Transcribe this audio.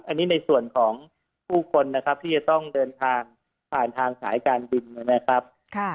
อันนี้ในส่วนของผู้คนนะครับที่จะต้องเดินทางผ่านทางสายการบินนะครับ